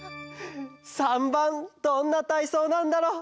３ばんどんなたいそうなんだろう？